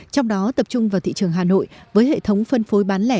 trong đó tập trung vào thị trường hà nội với hệ thống phân phối bán lẻ